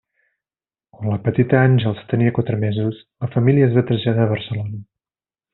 Quan la petita Àngels tenia quatre mesos, la família es va traslladar a Barcelona.